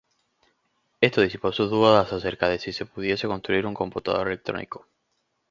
Esto disipó sus dudas acerca de sí se pudiese construir un computador electrónico.